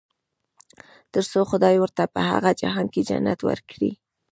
تر څو خدای ورته په هغه جهان کې جنت ورکړي.